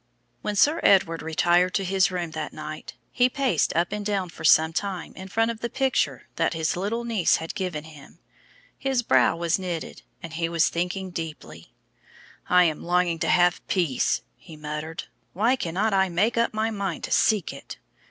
When Sir Edward retired to his room that night, he paced up and down for some time in front of his little niece's picture that she had given him. His brow was knitted, and he was thinking deeply. "I am longing to have peace," he muttered. "Why cannot I make up my mind to seek it!